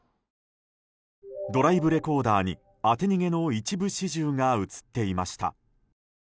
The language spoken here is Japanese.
ドライブレコーダーに当て逃げの一部始終が映っていました。